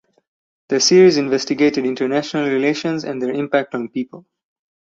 The series investigated international relations and their impact on people.